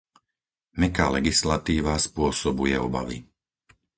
Mäkká legislatíva spôsobuje obavy.